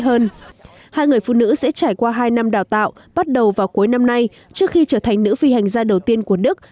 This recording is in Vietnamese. hơn hai người phụ nữ sẽ trải qua hai năm đào tạo bắt đầu vào cuối năm nay trước khi trở thành nữ phi hành gia đầu tiên của đức